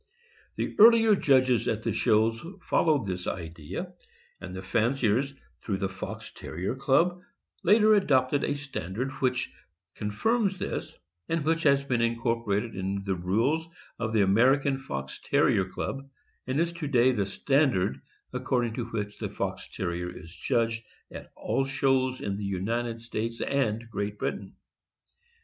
The earlier judges at the shows followed this idea, and the fanciers, through the Fox Terrier Club, later adopted a standard which confirms this, and which has been incor porated in the rules of the American Fox Terrier Club, and is to day the standard according to which the Fox Terrier is judged at all shows in the United States and Great Britain.